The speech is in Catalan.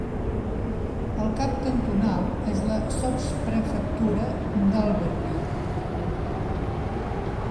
El cap cantonal és la sotsprefectura d'Albertville.